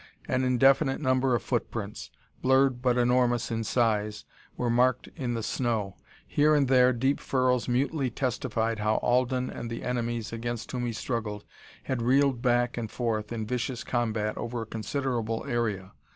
An indefinite number of footprints, blurred but enormous in size, were marked in the snow. Here and there deep furrows mutely testified how Alden and the enemies against whom he struggled had reeled back and forth in vicious combat over a considerable area.